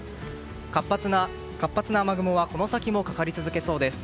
活発な雨雲はこの先もかかり続けそうです。